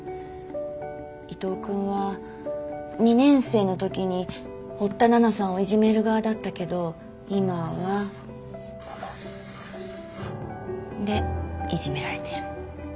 伊藤君は２年生の時に堀田奈々さんをいじめる側だったけど今はここ。んでいじめられてる。